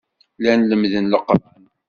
Llan lemmden Leqran.